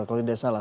kalau tidak salah